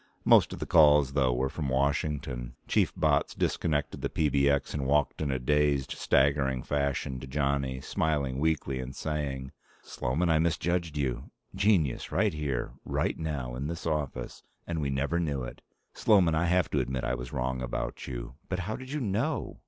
Most of the calls, though, were from Washington. Chief Botts disconnected the PBX and walked in a dazed, staggering fashion to Johnny, smiling weakly and saying: "Sloman, I misjudged you. Genius, right here, right now, in this office, and we never knew it. Sloman, I have to admit I was wrong about you. But how did you know?